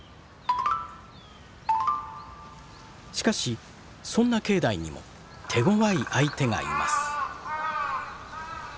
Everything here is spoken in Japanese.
しかしそんな境内にも手ごわい相手がいます。